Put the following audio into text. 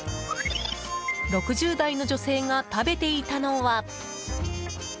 ６０代の女性が食べていたのは。